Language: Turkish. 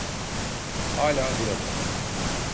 Hâlâ burada.